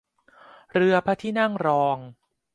เรือพระที่นั่งรอง